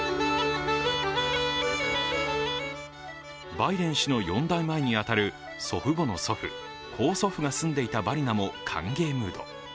バイデン氏の４代前に当たる祖父母の祖父、高祖父が住んでいたバリナも歓迎ムード。